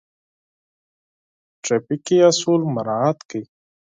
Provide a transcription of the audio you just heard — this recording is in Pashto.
ترافيکي اصول مراعات کړئ.